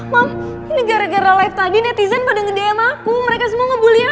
mam ini gara gara live tadi netizen pada nge dm aku mereka semua ngebully aku mam